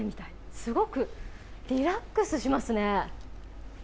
すごくリラックスしますね。